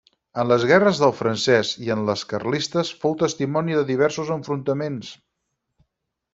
En les guerres del Francés i en les carlistes fou testimoni de diversos enfrontaments.